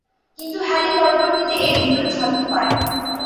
কিন্তু হ্যালি পরবর্তীতে এর উন্নয়ন সাধন করেন।